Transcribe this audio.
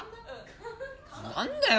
何だよ！？